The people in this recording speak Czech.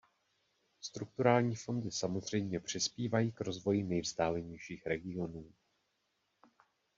Strukturální fondy samozřejmě přispívají k rozvoji nejvzdálenějších regionů.